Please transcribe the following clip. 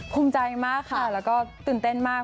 ภูมิใจมากค่ะแล้วก็ตื่นเต้นมาก